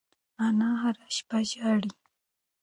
انا هره شپه ژاړي.